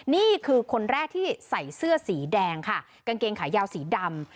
นี่คือคนแรกที่ใส่เสื้อสีแดงค่ะกางเกงขายาวสีดำ